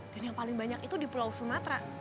dan yang paling banyak itu di pulau sumatera